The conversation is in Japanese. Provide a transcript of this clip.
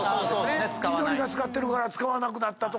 千鳥が使ってるから使わなくなったとか。